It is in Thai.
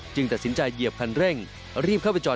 ตัดสินใจเหยียบคันเร่งรีบเข้าไปจอด